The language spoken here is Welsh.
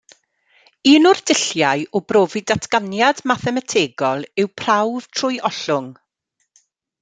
Un o'r dulliau o brofi datganiad mathemategol yw prawf trwy ollwng.